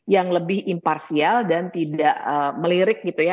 yang lebih imparsial dan tidak melirik gitu ya